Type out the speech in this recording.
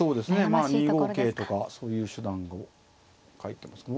まあ２五桂とかそういう手段を書いてますか。